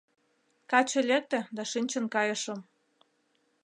Каче лекте да шинчын кайышым.